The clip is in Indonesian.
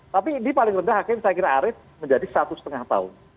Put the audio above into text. tapi ini paling rendah saya kira akhirnya arif menjadi satu setengah tahun